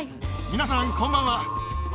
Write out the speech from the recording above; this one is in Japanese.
皆さんこんばんは。